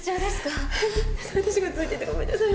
私がついててごめんなさい